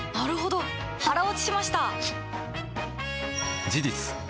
腹落ちしました！